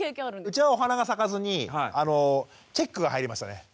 うちはお花が咲かずにチェックが入りましたね。